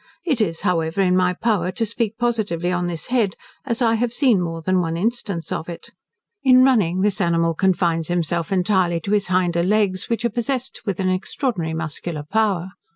It is, however, in my power to speak positively on this head, as I have seen more than one instance of it. In running, this animal confines himself entirely to his hinder, legs, which are possessed with an extraordinary muscular power.